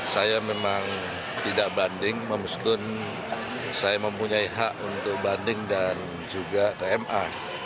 saya memang tidak banding memuskun saya mempunyai hak untuk banding dan juga ke ma